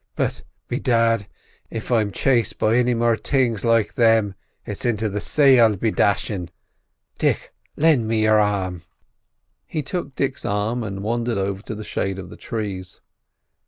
"But, bedad, if I'm chased by any more things like them it's into the say I'll be dashin'. Dick, lend me your arum." He took Dick's arm and wandered over to the shade of the trees.